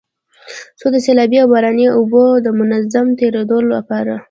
څو د سيلابي او باراني اوبو د منظم تېرېدو لپاره